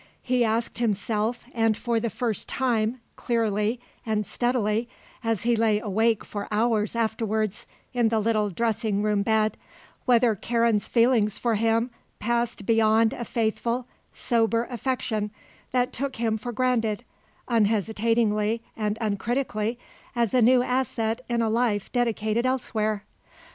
He asked himself, and for the first time clearly and steadily, as he lay awake for hours afterwards in the little dressing room bed, whether Karen's feelings for him passed beyond a faithful, sober affection that took him for granted, unhesitatingly and uncritically, as a new asset in a life dedicated elsewhere.